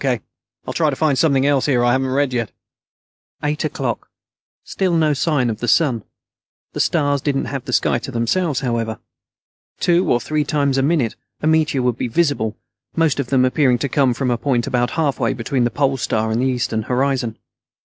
K. I'll try to find something else here I haven't read yet." Eight o'clock. Still no sign of the sun. The stars didn't have the sky to themselves, however. Two or three times a minute a meteor would be visible, most of them appearing to come from a point about halfway between the Pole Star and the eastern horizon.